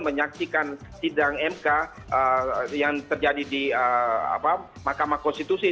menyaksikan sidang mk yang terjadi di mahkamah konstitusi